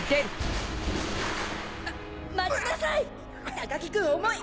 高木君重い！